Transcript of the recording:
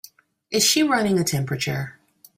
Is she running a temperature?